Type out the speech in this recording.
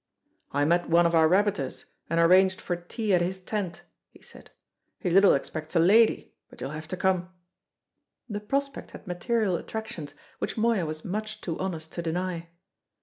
"I met one of our rabbiters, and arranged for tea at his tent," he said. "He little expects a lady, but you'll have to come." The prospect had material attractions which Moya was much too honest to deny.